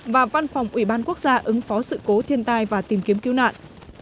và văn phòng ủy ban quốc gia ứng phó sự cố thiên tai và tìm kiếm cứu nạn